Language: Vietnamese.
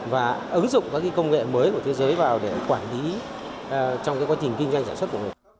và ứng dụng các công nghệ mới của thế giới vào để quản lý trong quá trình kinh doanh sản xuất của mình